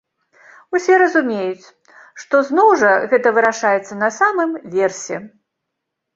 Усе разумеюць, што зноў жа гэта вырашаецца на самым версе.